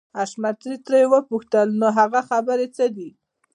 حشمتي ترې وپوښتل نو هغه خبرې څه دي.